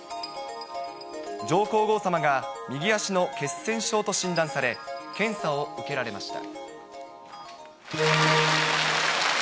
上皇后さまが右足の血栓症と診断され、検査を受けられました。